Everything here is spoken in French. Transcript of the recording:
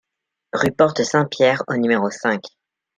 Rue Porte Saint-Pierre au numéro cinq